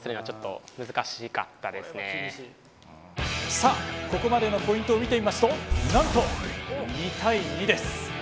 さあここまでのポイントを見てみますとなんと２対２です。